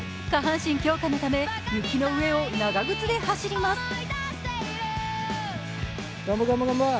下半身強化のため雪の上を長靴で走ります。